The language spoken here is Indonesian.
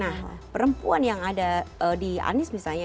nah perempuan yang ada di anis misalnya